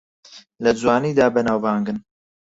لە جوانیدا بەناوبانگن